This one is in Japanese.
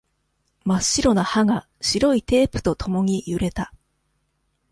真っ白な歯が、白いテープとともにゆれた。